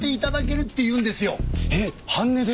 えっ半値で！？